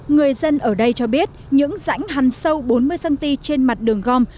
người dân ở đây cho biết những rãnh hằn sâu bốn mươi cm trên mặt đường gom